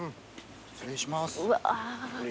失礼します。